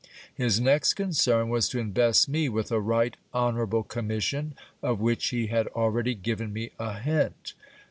His next concern was to invest me with a right honour able commission, of which he had already given me a hint.